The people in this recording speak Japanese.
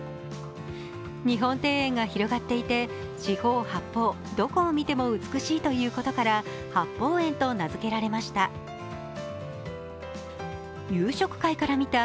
日本庭園が広がっていて、四方八方どこを見ても美しいということから八芳園と名づけられました。